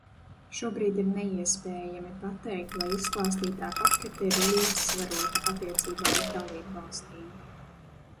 Šobrīd ir neiespējami pateikt, vai izklāstītā pakete ir līdzsvarota attiecībā uz dalībvalstīm.